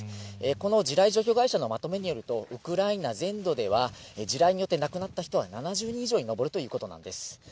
この地雷除去会社のまとめによると、ウクライナ全土では、地雷によって亡くなった人は７０人以上に上るということなんです。